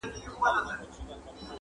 چي غټ وايي، کوچني خيژي.